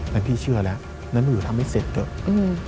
แต่พี่เชื่อแล้วนั้นหนูจะทำให้เสร็จเกิดอืม